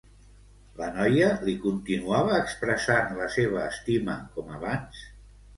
La noia li continuava expressant la seva estima com abans?